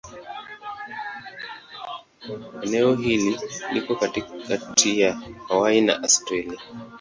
Eneo hili liko katikati ya Hawaii na Australia.